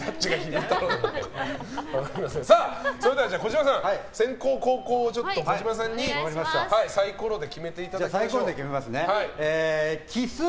それでは先攻後攻を児嶋さんにサイコロで決めていただきましょう。